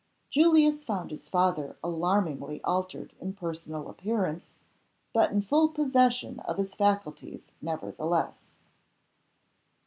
Julius found his father alarmingly altered in personal appearance, but in full possession of his faculties nevertheless.